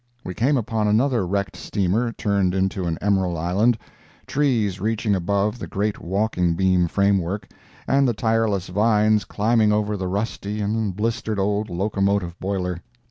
We came upon another wrecked steamer turned into an emerald island—trees reaching above the great walking beam framework, and the tireless vines climbing over the rusty and blistered old locomotive boiler.